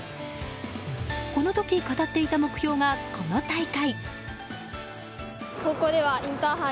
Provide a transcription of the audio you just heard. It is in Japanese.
この時語っていた目標がこの大会。